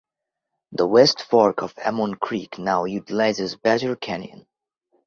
The West Fork of Amon Creek now utilizes Badger Canyon.